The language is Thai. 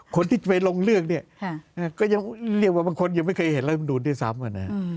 คนที่จะไปลงเรื่องเนี่ยฮะก็ยังเรียกว่าเป็นคนยังไม่เคยเห็นเรื่องแบบนู้นที่ซ้ำอ่ะน่ะ